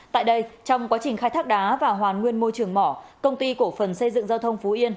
tại đây trong quá trình khai thác đá và hoàn nguyên môi trường mỏ công ty cổ phần xây dựng giao thông phú yên